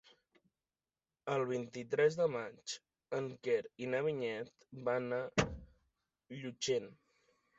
El vint-i-tres de maig en Quer i na Vinyet van a Llutxent.